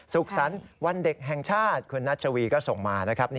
สุขสรรค์วันเด็กแห่งชาติคุณนัชวีก็ส่งมานะครับ